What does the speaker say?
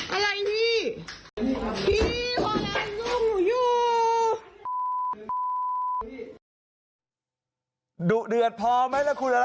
อะไรอ่ะ